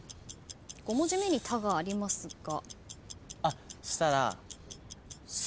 ５文字目に「た」がありますが。